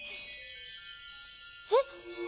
えっ？